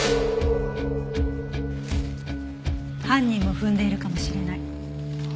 犯人も踏んでいるかもしれない。